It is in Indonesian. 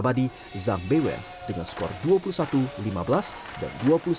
tim berkat abadi zambewe dengan skor dua puluh satu lima belas dan dua puluh satu sepuluh